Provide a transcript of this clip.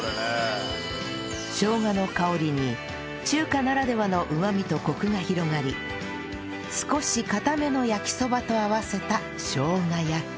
しょうがの香りに中華ならではのうまみとコクが広がり少し硬めの焼きそばと合わせたしょうが焼き